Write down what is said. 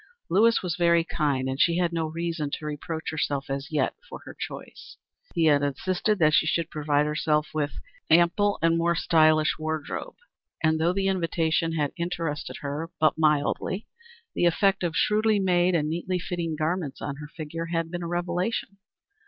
Lewis was very kind, and she had no reason to reproach herself as yet for her choice. He had insisted that she should provide herself with an ample and more stylish wardrobe, and though the invitation had interested her but mildly, the effect of shrewdly made and neatly fitting garments on her figure had been a revelation.